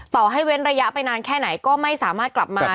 ต่อให้เว้นระยะไปนานแค่ไหนก็ไม่สามารถกลับมา